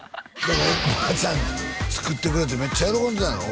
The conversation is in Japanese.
おばあちゃん作ってくれてめっちゃ喜んでたんやろ？